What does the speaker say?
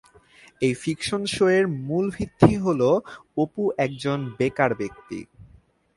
এই fiction show এর মূল ভিত্তি হল অপু একজন বেকার ব্যক্তি।